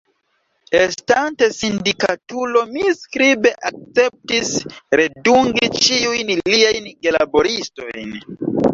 Estante sindikatulo, mi skribe akceptis redungi ĉiujn liajn gelaboristojn.